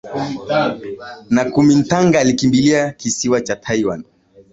Na Kuomintang walikimbilia kisiwa cha Taiwan